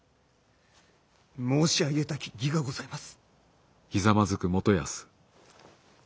申し上げたき儀がございます！